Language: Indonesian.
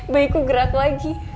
baiku gerak lagi